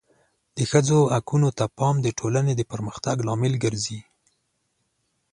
د ښځو حقونو ته پام د ټولنې د پرمختګ لامل ګرځي.